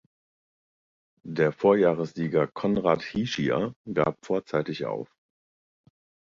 Der Vorjahressieger Konrad Hischier gab vorzeitig auf.